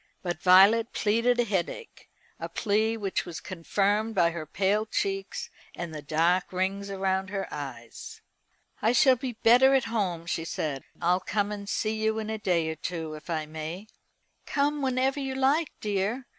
But Violet pleaded a headache, a plea which was confirmed by her pale cheeks and the dark rings round her eyes. "I shall be better at home," she said. "I'll come and see you in a day or two, if I may." "Come whenever you like, dear.